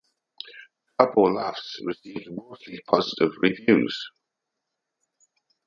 Garbo Laughs received mostly positive reviews.